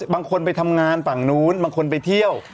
บางคนไปทำงานฝั่งนู้นบางคนไปเที่ยว